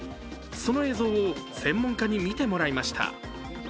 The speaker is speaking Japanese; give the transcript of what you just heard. その映像を専門家に見てもらいました。